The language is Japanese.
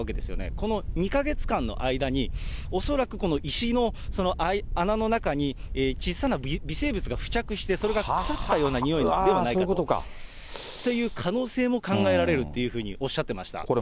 この２か月間の間に恐らくこの石の穴の中に小さな微生物が付着して、それが腐ったようなにおいではないかと、という可能性も考えられるっていうふうにおっしゃってました。